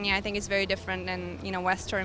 saya pikir itu sangat berbeda dengan musik western